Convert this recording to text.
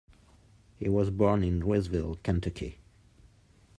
He was born in Louisville, Kentucky.